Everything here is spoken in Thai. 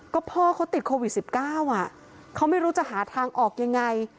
ก็พ่อเขาติดโควิด๑๙เขาไม่รู้จะหาทางออกยังไง